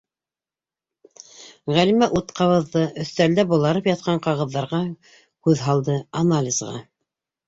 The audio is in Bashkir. Ғәлимә ут ҡабыҙҙы, өҫтәлдә боларып ятҡан ҡағыҙҙарға күҙ һалды: анализға...